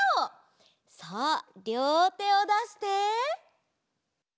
さありょうてをだして。